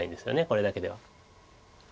これだけでは。